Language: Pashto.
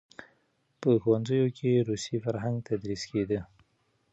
په ښوونځیو کې روسي فرهنګ تدریس کېده.